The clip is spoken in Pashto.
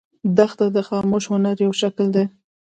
دښته د خاموش هنر یو شکل دی.